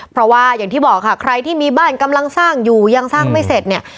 เพราะว่าอย่างที่บอกค่ะใครที่มีบ้านกำลังสร้างอยู่ยังสร้างไม่เสร็จเนี่ย